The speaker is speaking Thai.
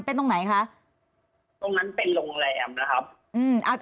เป็นตรงไหนคะตรงนั้นเป็นโรงแรมนะครับอืมอ่า